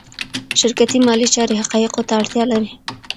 شرکتي مالي چارې حقایقو ته اړتیا لري.